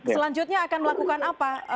selanjutnya akan melakukan apa